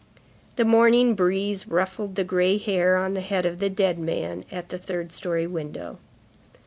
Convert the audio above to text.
The morning breeze ruffled the gray hair on the head of the dead man at the third story window.